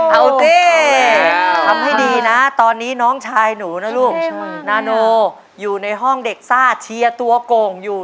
เอาสิทำให้ดีนะตอนนี้น้องชายหนูนะลูกนาโนอยู่ในห้องเด็กซ่าเชียร์ตัวโก่งอยู่